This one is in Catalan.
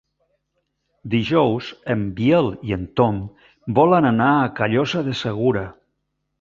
Dijous en Biel i en Tom volen anar a Callosa de Segura.